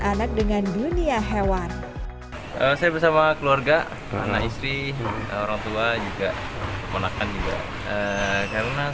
anak dengan dunia hewan saya bersama keluarga anak istri orangtua juga keponakan juga karena